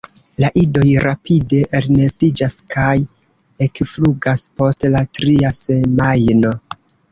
La idoj rapide elnestiĝas kaj ekflugas post la tria semajno.